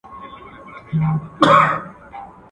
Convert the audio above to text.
چي رنگ دي دئ د غله، ناسته دي پر څه؟